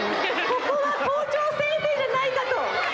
ここは校長先生じゃないかと。